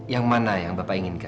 yang mana yang bapak inginkan